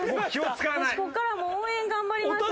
私ここからはもう応援頑張ります。